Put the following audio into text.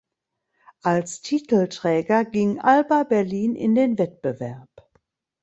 Als Titelträger ging Alba Berlin in den Wettbewerb.